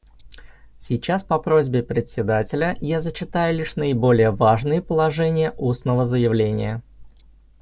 Сейчас по просьбе Председателя я зачитаю лишь наиболее важные положения устного заявления.